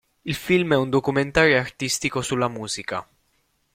Il film è un documentario artistico sulla musica.